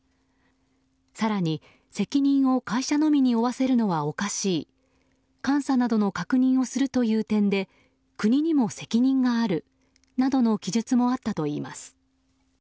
更に、責任を会社のみに負わせるのはおかしい監査などの確認をするという点で国にも責任があるなどの記述もあったといいます。